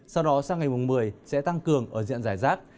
sau đó sang ngày mùng một mươi sẽ tăng cường ở diện giải rác